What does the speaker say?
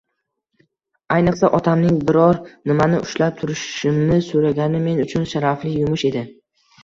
Ayniqsa, otamning biror nimani ushlab turishimni so`ragani men uchun sharafli yumush edi